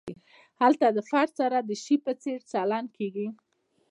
هلته له فرد سره د شي په څېر چلند کیږي.